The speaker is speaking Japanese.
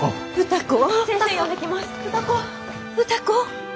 歌子。